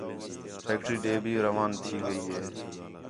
فیکٹری ݙے بھی رواں تھی ڳئی ہِے